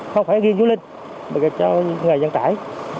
không phải riêng du linh bởi vì cho người dân tải